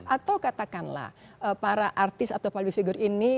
atau katakanlah para artis atau para figur ini